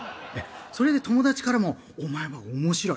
それで友達からもお前はおもしろい。